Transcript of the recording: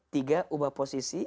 tiga ubah posisi